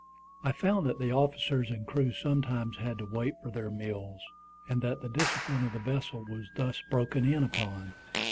I found that the officers and crew sometimes had to wait for their meals, and that the discipline of the vessel was thus broken in upon.